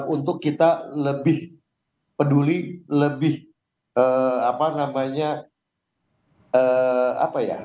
untuk kita lebih peduli lebih apa namanya apa ya